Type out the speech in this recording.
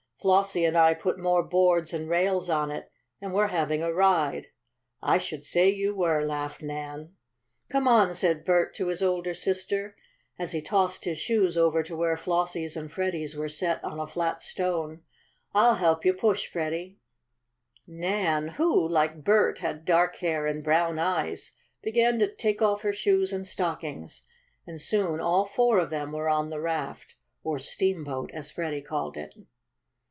Flossie and I put more boards and rails on it, and we're having a ride." "I should say you were!" laughed Nan. "Come on," said Bert to his older sister, as he tossed his shoes over to where Flossie's and Freddie's were set on a flat stone. "I'll help you push, Freddie." Nan, who, like Bert, had dark hair and brown eyes, began to take off her shoes and stockings, and soon all four of them were on the raft or steamboat, as Freddie called it.